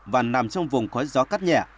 và nằm trong vùng có gió cắt nhẹ